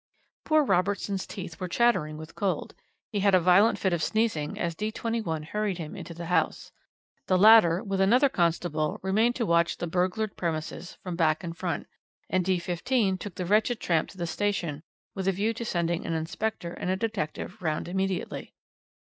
"Poor Robertson's teeth were chattering with cold. He had a violent fit of sneezing as D 21 hurried him into the house. The latter, with another constable, remained to watch the burglared premises both back and front, and D 15 took the wretched tramp to the station with a view to sending an inspector and a detective round immediately.